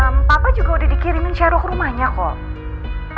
ehm papa juga udah dikirimin shero ke rumahnya kok